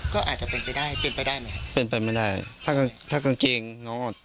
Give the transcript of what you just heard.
ก็อาจจะเป็นไปได้เป็นไปได้ไหมเป็นไปไม่ได้ถ้าถ้ากางเกงน้อง